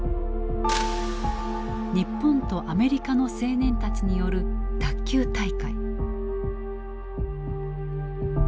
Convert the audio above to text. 日本とアメリカの青年たちによる卓球大会。